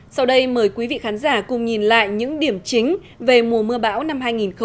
sau đây mời quý vị khán giả cùng nhìn lại những điểm chính về mùa mưa bão năm hai nghìn một mươi chín